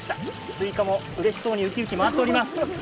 すいかもうれしそうにウキウキ回っております。